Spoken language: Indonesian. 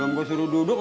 gua mau suruh duduk